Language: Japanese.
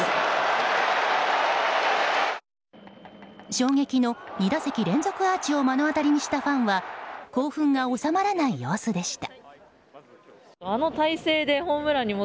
衝撃の２打席連続アーチを目の当たりにしたファンは興奮が収まらない様子でした。